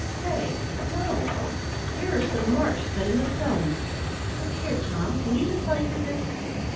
"Stay no here are some marks cut in the stone! Look here, Tom, can you decipher this?